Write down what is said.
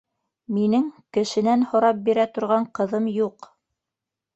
Минең кешенән һорап бирә торған ҡыҙым юҡ.